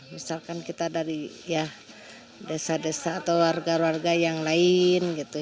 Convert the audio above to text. misalkan kita dari desa desa atau warga warga yang lain gitu